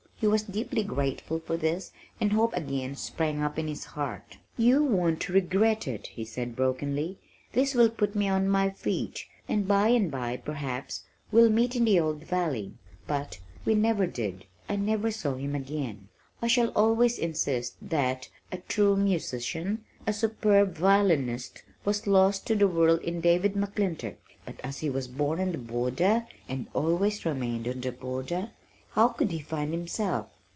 He was deeply grateful for this and hope again sprang up in his heart. "You won't regret it," he said brokenly. "This will put me on my feet, and by and by perhaps we'll meet in the old valley." But we never did. I never saw him again. I shall always insist that a true musician, a superb violinist was lost to the world in David McClintock but as he was born on the border and always remained on the border, how could he find himself?